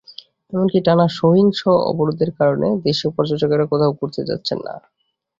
এমনকি টানা সহিংস অবরোধের কারণে দেশীয় পর্যটকেরাও কোথাও ঘুরতে যাচ্ছেন না।